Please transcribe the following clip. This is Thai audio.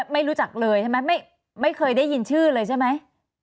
ไม่รู้จักเลยใช่ไหมไม่เคยได้ยินชื่อเลยใช่ไหม